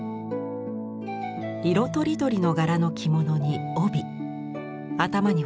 色とりどりの柄の着物に帯頭にはリボン。